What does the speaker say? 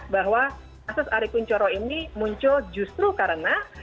bahwa kasus ari kunchoro ini muncul justru karena